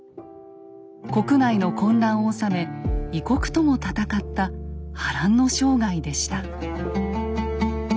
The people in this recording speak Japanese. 国内の混乱をおさめ異国とも戦った波乱の生涯でした。